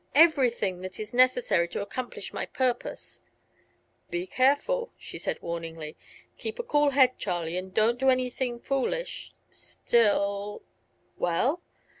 Everything that is necessary to accomplish my purpose." "Be careful," said she warningly. "Keep a cool head, Charlie, and don't do anything foolish. Still " "Well?"